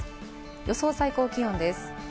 予想最高気温です。